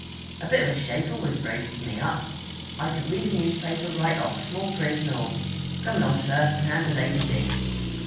A bit of a shake always braces me up. I could read a newspaper right off, small print and all. Come along, sir, and hand the ladies in.'